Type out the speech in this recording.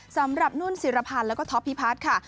สำหรับนุ่นศิรพันธ์แล้วก็ท็อปพิพัฒน์ค่ะ